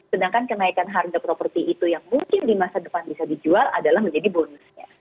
sedangkan kenaikan harga properti itu yang mungkin di masa depan bisa dijual adalah menjadi bonusnya